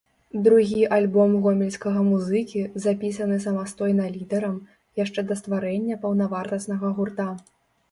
Другі альбом гомельскага музыкі, запісаны самастойна лідарам, яшчэ да стварэння паўнавартаснага гурта.